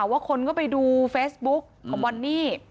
ว่าคนก็ไปดูเฟซบุ๊กของบอนนี่